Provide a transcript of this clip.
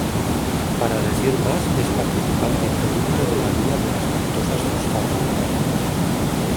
Para decir más es participante y producto de la vía de las pentosas fosfato.